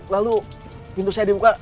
lalu pintu saya dibuka